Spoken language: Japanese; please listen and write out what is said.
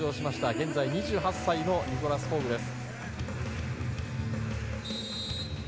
現在２８歳のニコラス・ホーグです。